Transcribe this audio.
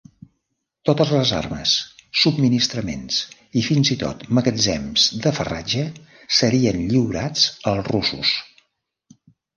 Totes les armes, subministraments, i fins i tot magatzems de farratge serien lliurats als russos.